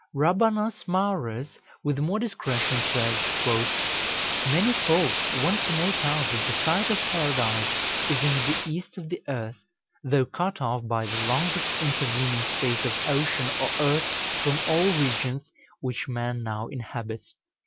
Rabanus Maurus, with more discretion, says, "Many folk want to make out that the site of Paradise is in the east of the earth, though cut off by the longest intervening space of ocean or earth from all regions which man now inhabits.